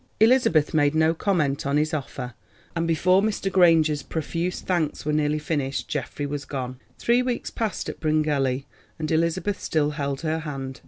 Elizabeth made no comment on his offer, and before Mr. Granger's profuse thanks were nearly finished, Geoffrey was gone. Three weeks passed at Bryngelly, and Elizabeth still held her hand.